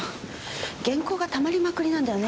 原稿が溜まりまくりなんだよね。